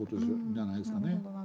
じゃないですかね。